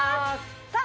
さあ